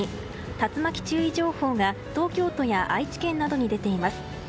竜巻注意報が東京都や愛知県などに出ています。